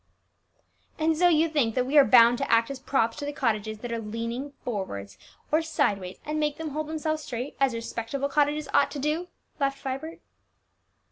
"And so you think that we are bound to act as props to the cottages that are leaning forwards or sideways, and make them hold themselves straight, as respectable cottages ought to do!" laughed Vibert.